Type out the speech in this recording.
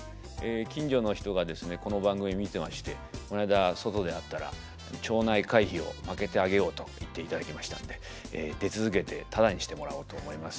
近所の人がこの番組見てましてこの間外で会ったら町内会費をまけてあげようと言っていただきましたんで出続けてただにしてもらおうと思います。